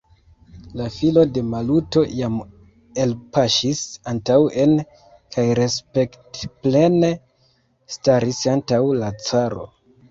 La filo de Maluto jam elpaŝis antaŭen kaj respektplene staris antaŭ la caro.